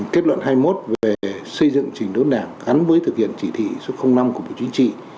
kết luận hai mươi một về xây dựng trình đốn đảng gắn với thực hiện chỉ thị số năm của bộ chính trị